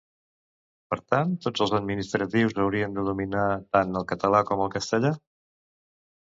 Per tant, tots els administratius haurien de dominar tant el català com el castellà?